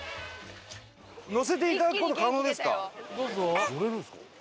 乗せていただく事可能ですか？